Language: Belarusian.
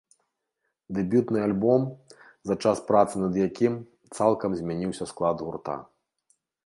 Дэбютны альбом, за час працы над якім, цалкам змяніўся склад гурта.